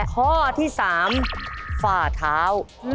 ข้อที่๓ฝ่าเท้า